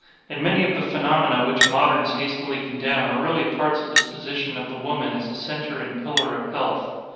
And many of the phenomena which moderns hastily condemn are really parts of this position of the woman as the center and pillar of health.